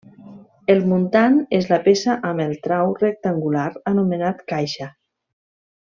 El muntant és la peça amb el trau rectangular, anomenat caixa.